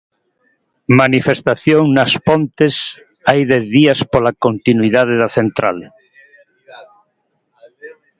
Manifestación nas Pontes hai dez días pola continuidade da central.